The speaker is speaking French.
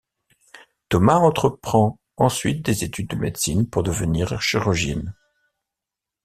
Thomas entreprend ensuite des études de médecine pour devenir chirurgienne.